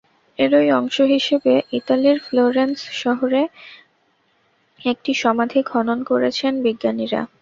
এরই অংশ হিসেবে ইতালির ফ্লোরেন্স শহরে একটি সমাধি খনন করেছেন বিজ্ঞানীরা।